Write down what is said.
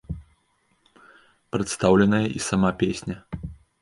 Прадстаўленая і сама песня.